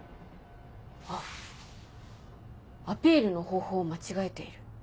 あっアピールの方法を間違えている。